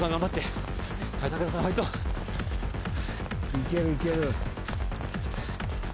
いけるいける。